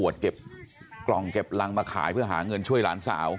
เด็กลังมาขายเพื่อหาเงินช่วยหลานสาว